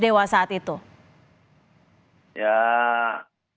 semua garis wisata juga menurut sayaeurs